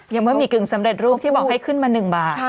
บะหมี่กึ่งสำเร็จรูปที่บอกให้ขึ้นมา๑บาท